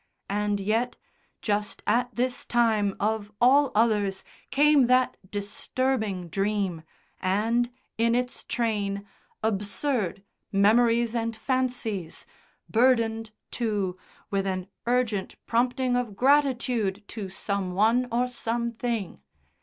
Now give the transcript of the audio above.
And yet, just at this time, of all others, came that disturbing dream, and, in its train, absurd memories and fancies, burdened, too, with an urgent prompting of gratitude to some one or something.